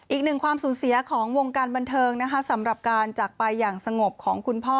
อีกหนึ่งความสูญเสียของวงการบันเทิงนะคะสำหรับการจากไปอย่างสงบของคุณพ่อ